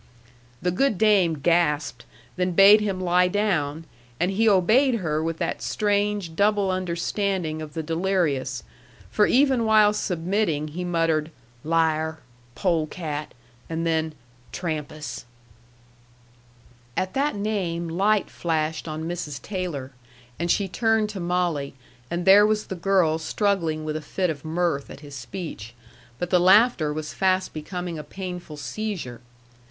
The good dame gasped, then bade him lie down, and he obeyed her with that strange double understanding of the delirious; for even while submitting, he muttered "liar," "polecat," and then "Trampas." At that name light flashed on Mrs. Taylor, and she turned to Molly; and there was the girl struggling with a fit of mirth at his speech; but the laughter was fast becoming a painful seizure.